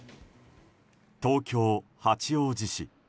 東京・八王子市。